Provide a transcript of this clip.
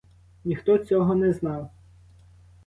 Ніхто цього не знав.